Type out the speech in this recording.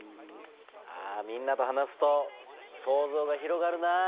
みんなと話すと想像が広がるな。